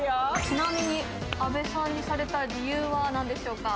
ちなみに阿部さんにされた理由は何でしょうか？